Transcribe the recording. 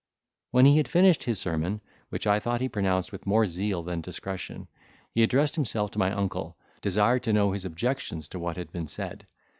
When he had finished his sermon, which I thought he pronounced with more zeal than discretion, he addressed himself to my uncle, desired to know his objections to what had been said.